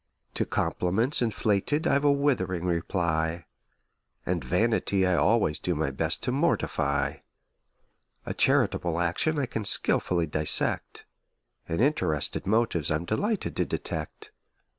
To compliments inflated I've a withering reply; And vanity I always do my best to mortify; A charitable action I can skilfully dissect: And interested motives I'm delighted to detect.